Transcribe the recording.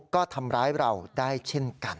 ก็ทำร้ายเราได้เช่นกัน